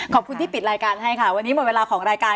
ขอบคุณที่ปิดรายการให้ค่ะวันนี้หมดเวลาของรายการ